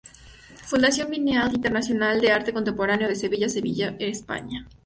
Fundación Bienal Internacional de Arte Contemporáneo de Sevilla, Sevilla, España.